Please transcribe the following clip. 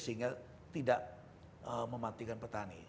sehingga tidak mematikan petani